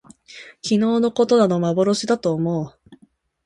昨日きのうのことなど幻まぼろしだと思おもおう